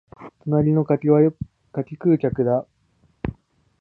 隣の客は柿食う客だ